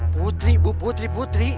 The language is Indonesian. putri bu putri putri